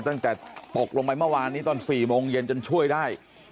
ตั้งแต่ตกลงไปเมื่อวานนี้ตอน๔โมงเย็นจนช่วยได้